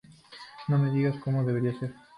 No me digas cómo debería ser".